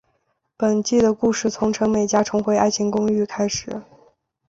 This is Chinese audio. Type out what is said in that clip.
本季的故事从陈美嘉重回爱情公寓开始。